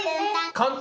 簡単。